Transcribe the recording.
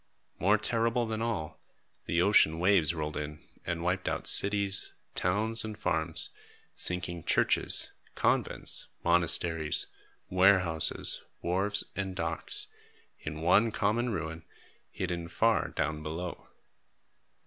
More terrible than all, the ocean waves rolled in and wiped out cities, towns, and farms, sinking churches, convents, monasteries, warehouses, wharves, and docks, in one common ruin, hidden far down below.